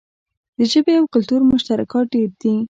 د ژبې او کلتور مشترکات ډیر دي.